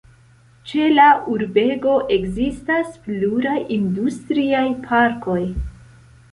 Ĉe la urbego ekzistas pluraj industriaj parkoj.